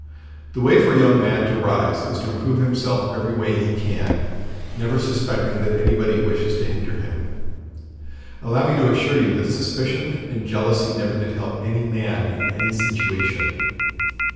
The way for a young man to rise is to improve himself every way he can, never suspecting that anybody wishes to hinder him. Allow me to assure you that suspicion and jealousy never did help any man in any situation.